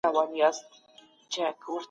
جنګونه د ټولني سکون له منځه وړي.